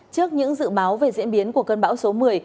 trước những dự báo về diễn biến của cơn bão số một mươi